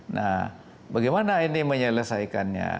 nah bagaimana ini menyelesaikannya